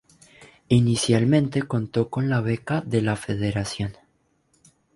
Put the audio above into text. Inicialmente contó con la beca de la Federación.